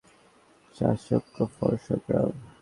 চাণক্য ফর সংগ্রাম।